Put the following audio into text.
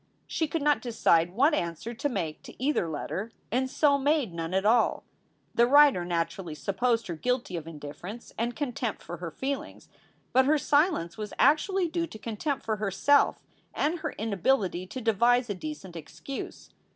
She could not decide what answer to make to either letter, and so made none at all. The writer naturally supposed her guilty of indifference and contempt for her feelings, but her silence was actually due to contempt for herself and her inability to devise a decent excuse.